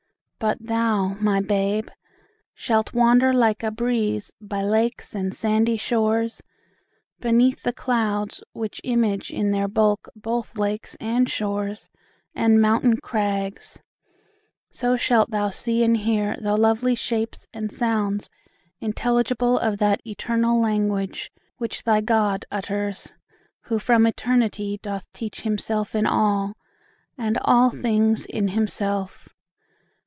But thou, my babe! shalt wander like a breeze By lakes and sandy shores, beneath the clouds, Which image in their bulk both lakes and shores And mountain crags: so shalt thou see and hear The lovely shapes and sounds intelligible Of that eternal language, which thy God Utters, who from eternity, doth teach Himself in all, and all things in himself.